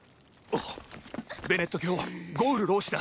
ベネット教ゴウル老師だ。